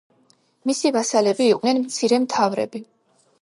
მისი ვასალები იყვნენ მცირე მთავრები.